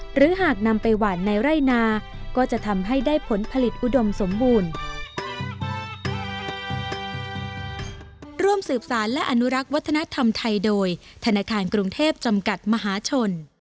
หรือหากนำไปหวานในไร่นาก็จะทำให้ได้ผลผลิตอุดมสมบูรณ์